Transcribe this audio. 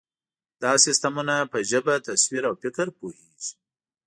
دا سیسټمونه په ژبه، تصویر، او فکر پوهېږي.